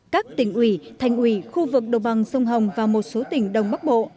các tỉnh ủy thành ủy khu vực đồng bằng sông hồng và một số tỉnh đông bắc bộ